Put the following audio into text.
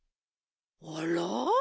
あら？